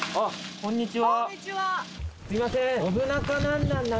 こんにちは。